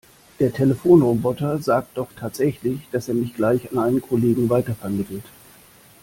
Der Telefonroboter sagt doch tatsächlich, dass er mich gleich an einen Kollegen weitervermittelt.